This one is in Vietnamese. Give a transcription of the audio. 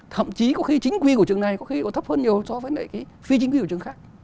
thậm chí có khi chính quy của trường này có khi có thấp hơn nhiều so với cái phi chính quy của trường khác